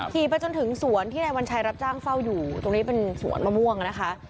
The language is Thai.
ไปจนถึงสวนที่นายวัญชัยรับจ้างเฝ้าอยู่ตรงนี้เป็นสวนมะม่วงนะคะ